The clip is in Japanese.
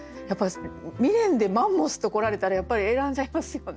「未練」で「マンモス」と来られたらやっぱり選んじゃいますよね。